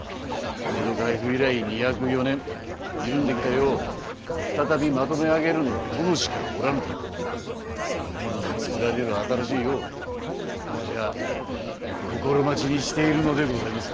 江戸開府以来二百余年緩んできた世を再び纏め上げるのは殿しかおらぬとその殿の作られる新しい世を某は心待ちにしているのでございます。